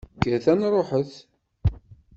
Kkret, ad nṛuḥet!